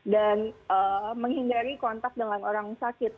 dan menghindari kontak dengan orang sakit